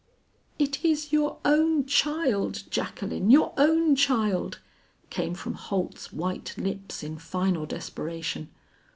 "It is your own child, Jacqueline, your own child!" came from Holt's white lips in final desperation.